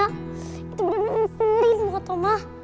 itu beneran bener banget oma